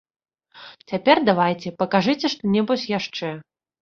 Цяпер давайце, пакажыце што-небудзь яшчэ.